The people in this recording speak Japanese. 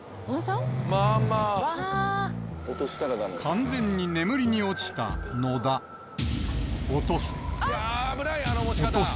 完全に眠りに落ちた野田危ない